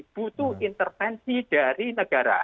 butuh intervensi dari negara